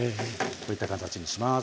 こういった形にします。